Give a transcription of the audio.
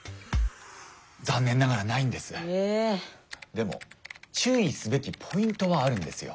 でも注意すべきポイントはあるんですよ。